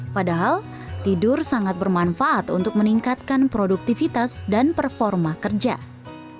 padahal tidur sangat bermanfaat untuk meningkatkan produktivitas dan performa kerja